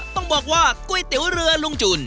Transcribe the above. ต้องบอกว่าก๋วยเตี๋ยวเรือลุงจุน